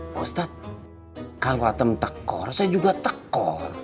ustadz kalau atem tekor saya juga tekor